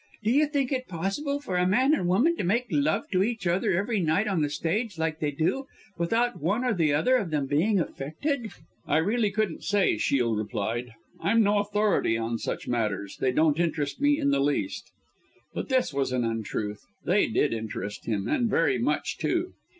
Do you think it possible for a man and woman to make love to each other every night on the stage, like they do, without one or other of them being affected?" "I really couldn't say," Shiel replied. "I'm no authority on such matters they don't interest me in the least." But this was an untruth they did interest him and very much, too.